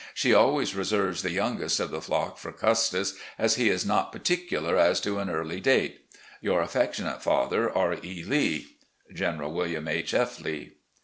She always reserves the youngest of the flock for Custis, as he is not particnilar as to an early date. "Your affectionate father, "R. E. Lee. "General William H. F. Lee."